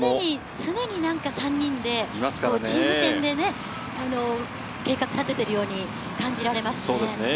常に何か、３人で、チーム戦で、計画を立てているように感じられますね。